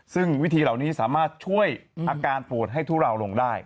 ซึ่งวิธีเหล่านี้สามารถช่วยอาการปวดให้ทุเลาลงได้